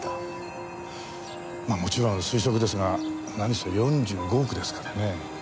まあもちろん推測ですが何せ４５億ですからね。